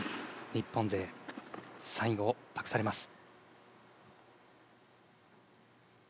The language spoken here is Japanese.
日本勢最後を託されます。